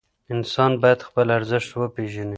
انسان باید خپل ارزښت وپېژني.